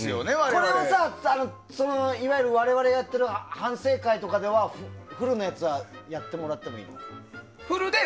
これはさいわゆる我々がやってる反省会とかでは、フルのやつはやってもらってもいいの？